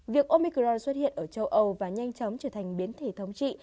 việc omicron xuất hiện ở châu âu và nhanh chóng trở thành biến thể thống trị